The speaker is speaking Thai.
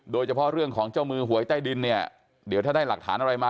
โดยเฉพาะเรื่องของเจ้ามือหวยใต้ดินเนี่ยเดี๋ยวถ้าได้หลักฐานอะไรมา